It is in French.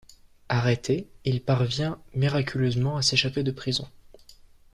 Arrêté il parvint miraculeusement à s'échapper de prison.